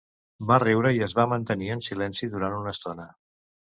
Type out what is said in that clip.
Va riure i es va mantenir en silenci durant una estona.